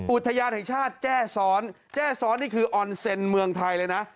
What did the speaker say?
อุทยานแห่งชาติแจ้ซ้อนแจ้ซ้อนนี่คือออนเซ็นต์เมืองไทยเลยนะ